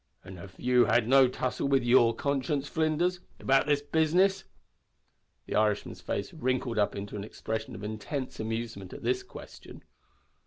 "And have you had no tussle with your conscience, Flinders, about this business?" The Irishman's face wrinkled up into an expression of intense amusement at this question.